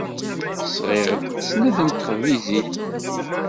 Sɣiɣ-d snat n texbizin.